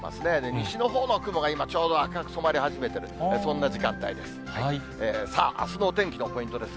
西のほうの雲が今、ちょうど赤く染まり始めてる、そんな時間帯です。